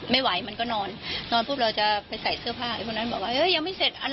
ไม่ไหวมันก็นอนนอนเราจะไปใส่เสื้อผ้าพวกนั้นบอกว่าเอ๊ยยังไม่เสร็จ